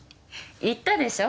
言ったでしょ？